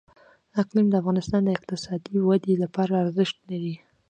اقلیم د افغانستان د اقتصادي ودې لپاره ارزښت لري.